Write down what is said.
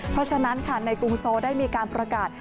เพราะฉะนั้นค่ะในกรุงโซได้มีการประกาศ